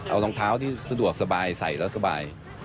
เอารองเท้าที่สะดวกสบายใส่แล้วสบาย